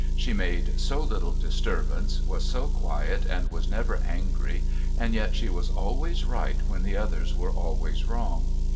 She made so little disturbance, was so quiet and was never angry, and yet she was always right when the others were always wrong.